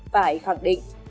phải khẳng định